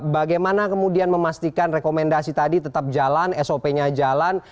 bagaimana kemudian memastikan rekomendasi tadi tetap jalan sop nya jalan